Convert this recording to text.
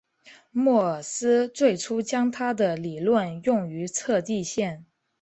莫尔斯最初将他的理论用于测地线。